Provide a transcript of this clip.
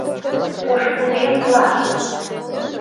Пошкудем-влак!